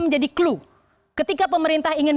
jadi klu ketika pemerintah ingin